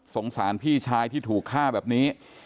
สารพี่ชายที่ถูกฆ่าแบบนี้